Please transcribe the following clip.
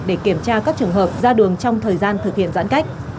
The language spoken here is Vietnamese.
để kiểm tra các trường hợp ra đường trong thời gian thực hiện giãn cách